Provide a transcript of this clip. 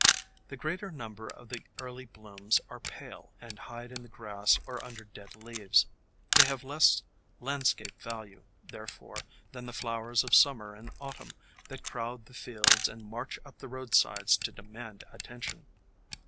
The greater number of the early blooms are pale, and hide in the grass or under dead leaves ; they 8 THE COMING OF SPRING have less landscape value therefore than the flowers of Summer and Autumn that crowd the fields and march up to the roadsides to demand attention.